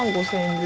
２万５０００円！？